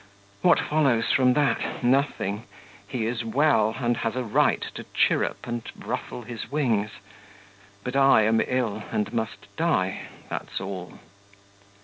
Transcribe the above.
What follows from that? Nothing. He is well and has a right to chirrup and ruffle his wings; but I am ill and must die that's all.